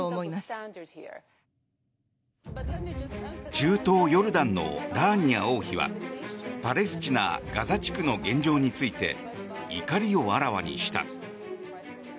中東ヨルダンのラーニア王妃はパレスチナ・ガザ地区の現状について怒りをあらわにした。